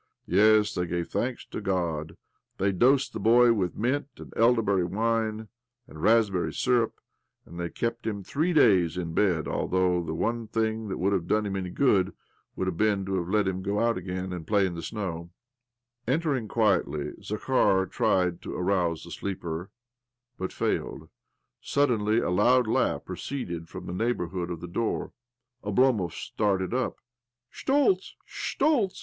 Yes, they gave thanks to God, they dosed the boy with mint and elder berry wine and raspberry syrup, and they kept him three days in bed — although the one thing that would have, done him any good would have been to have let him go out again and play in the snow I Entering quietly, Zakhar tried to arouse the sleeper, but failed. Suddenly, a loud \ OBLOMOV 153 laugh proceeded froim the neighbourhood of the door. Oblo!tnt)v started ир. ' Schtoltz ! Schtoltz